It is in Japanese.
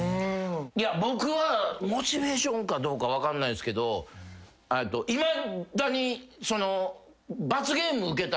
いや僕はモチベーションかどうか分かんないですけどいまだに。